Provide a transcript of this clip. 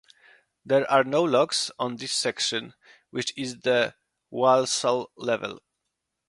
There are no locks on this section, which is at the Walsall Level.